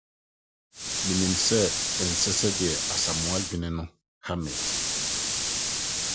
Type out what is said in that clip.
Minim sɛ ɛnsɛ sɛ mema nea Asamoa dwene no haw me.